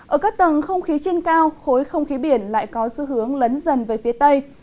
ở các tầng không khí trên cao khối không khí biển lại có xu hướng lấn dần về phía tây